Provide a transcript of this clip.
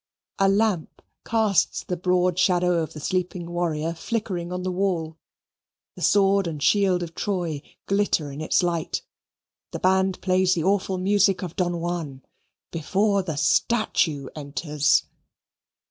A lamp casts the broad shadow of the sleeping warrior flickering on the wall the sword and shield of Troy glitter in its light. The band plays the awful music of Don Juan, before the statue enters.